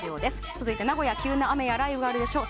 続いて名古屋急な雨や雷雨があるんでしょう。